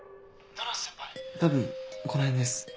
多分このへんです。